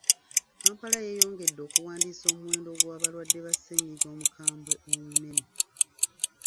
Kampala yeeyongedde okuwandiisa omuwendo gw'abalwadde ba ssennyiga omukambwe omunene.